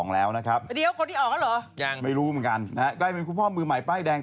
เก่งมากเค้าเล่นเพลงโซ